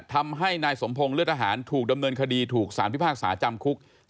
ทำให้นายสมพงศ์เลือดทหารถูกดำเนินคดีถูกสารพิพากษาจำคุก